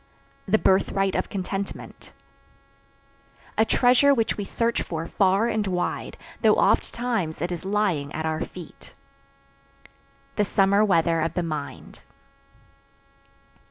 The birthright of contentment. A treasure which we search for far and wide, though oft times it is lying at our feet. The summer weather of the mind.